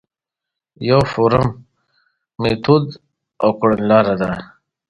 یو فورم، میتود او کڼلاره ده.